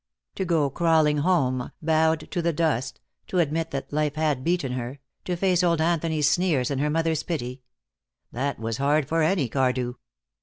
To go crawling home, bowed to the dust, to admit that life had beaten her, to face old Anthony's sneers and her mother's pity that was hard for any Cardew.